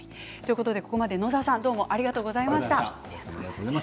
ここまで野澤さんありがとうございました。